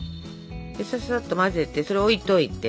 さささっと混ぜてそれ置いといて。